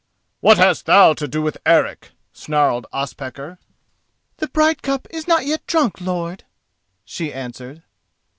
"What hast thou to do with Eric?" snarled Ospakar. "The bride cup is not yet drunk, lord," she answered.